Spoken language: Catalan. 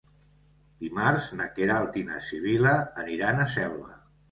Dimarts na Queralt i na Sibil·la aniran a Selva.